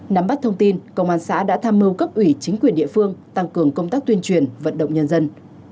nắm bắt thông tin công an xã đã tham mưu cấp ủy chính quyền địa phương tăng cường công tác tuyên truyền vận động nhân dân